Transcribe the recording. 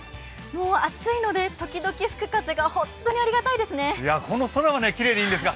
もう暑いのでときどき吹く風が本当にありがたいですね。